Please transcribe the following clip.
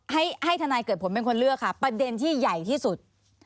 ให้ทนายเกิดผลเป็นคนเลือกค่ะประเด็นที่ใหญ่ที่สุด